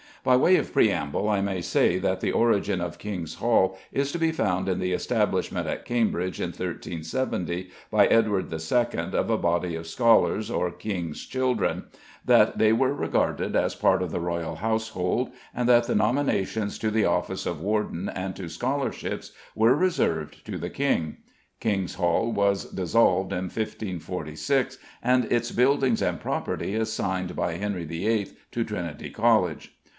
By way of preamble, I may say that the origin of King's Hall is to be found in the establishment at Cambridge, in 1317, by Edward II, of a body of Scholars or King's Children; that they were regarded as part of the royal household; and that the nominations to the office of warden and to scholarships were reserved to the king. King's Hall was dissolved in 1546, and its buildings and property assigned by Henry VIII to Trinity College.